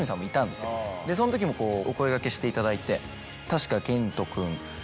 そのときもお声がけしていただいて。